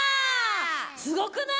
すごくない？